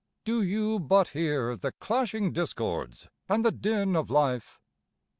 Do you but hear the clashing discords and the din of life?